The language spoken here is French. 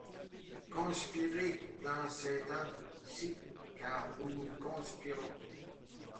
Conspirer dans ce temps-ci !… car nous conspirons .